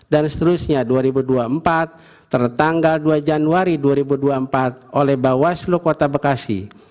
dan seterusnya dua ribu dua puluh empat tertanggal dua januari dua ribu dua puluh empat oleh bawaslu kota bekasi